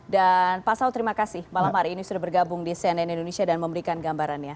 dan pak saul terima kasih malam hari ini sudah bergabung di cnn indonesia dan memberikan gambarannya